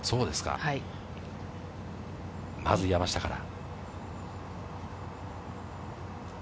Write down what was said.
まず山下から。